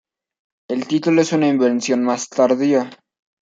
El título es una invención más tardía.